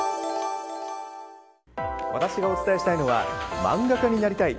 私がお伝えしたいのは漫画家になりたい！